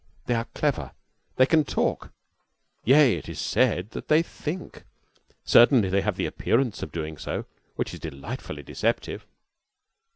They are clever, they can talk yea, it is said that they think. Certainly they have an appearance of so doing which is delightfully deceptive.